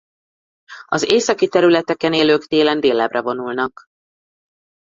Az északi területeken élők télen délebbre vonulnak.